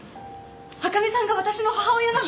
あかねさんが私の母親なの！？